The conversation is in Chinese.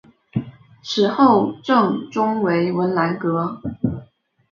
池后正中为文澜阁。